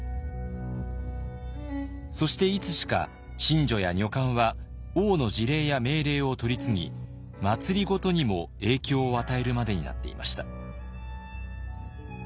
そしていつしか神女や女官は王の辞令や命令を取り次ぎ政にも影響を与えるまでになっていました。